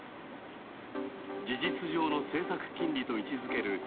事実上の政策金利と位置づける